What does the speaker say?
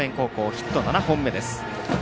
ヒット７本目です。